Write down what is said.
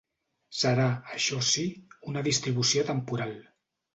Serà, això sí, una distribució temporal.